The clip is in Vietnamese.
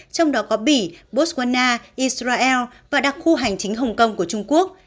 trong đó có bỉ botswana israel và đặc khu hành chính hồng kông của trung quốc